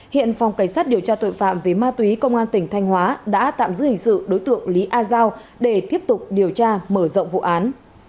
hiện phòng cảnh sát điều tra tội phạm về ma túy công an tỉnh thanh hóa đã tạm giữ hình sự đối tượng lý a giao để tiếp tục điều tra mở rộng vụ án